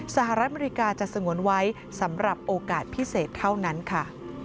สหรัฐอเมริกาจะสงวนไว้สำหรับโอกาสพิเศษเท่านั้นค่ะ